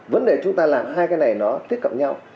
vấn đề chúng ta làm hai cái này nó tiếp cận nhau